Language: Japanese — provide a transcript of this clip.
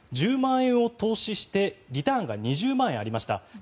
１０万円を投資してリターンが２０万円ありました。